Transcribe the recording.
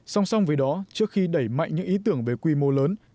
song song với đó trước khi đẩy mạnh những ý tưởng về quy mô lớn